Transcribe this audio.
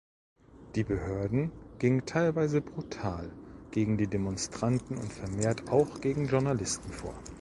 Die Behörden ging teilweise brutal gegen die Demonstranten und vermehrt auch gegen Journalisten vor.